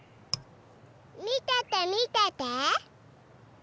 みててみてて！